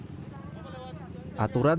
yang ketiga kita harus mencari penyelenggaraan